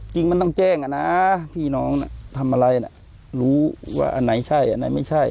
จริงมันต้องแจ้งอ่ะนะพี่น้องน่ะทำอะไรรู้ว่าอันไหนใช่อันไหนไม่ใช่